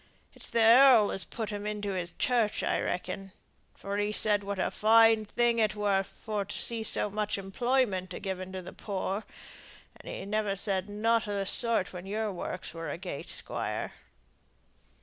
It's the earl as put him into his church, I reckon, for he said what a fine thing it were for to see so much employment a given to the poor, and he never said nought o' th' sort when your works were agait, Squire."